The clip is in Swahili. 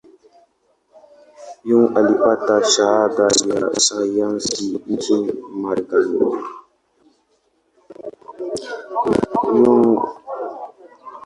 Young alipata shahada ya sayansi nchini Marekani.